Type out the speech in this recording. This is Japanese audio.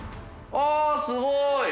あっすごい！